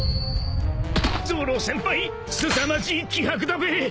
［ゾロ先輩すさまじい気迫だべ］